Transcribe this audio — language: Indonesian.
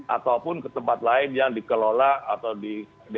atau ke tempat lain yang dikelola atau diawasi